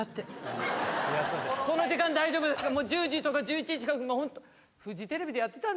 この時間大丈夫ですか？